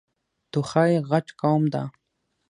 توخی غټ قوم ده.